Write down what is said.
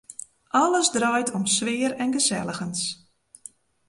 Alles draait om sfear en geselligens.